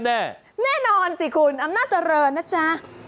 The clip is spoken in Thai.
แน่นอนสิคุณอำนาจเจริญนะจ๊ะ